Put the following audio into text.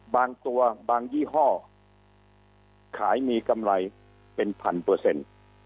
บางตัวบางยี่ห้อขายมีกำไรเป็น๑๐๐๐